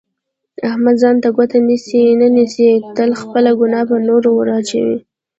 احمد ځان ته ګوته نه نیسي، تل خپله ګناه په نورو ور اچوي.